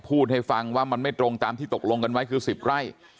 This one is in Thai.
พูดให้ฟังว่ามันไม่ตรงตามที่ตกลงกันไว้คือ๑๐ไร่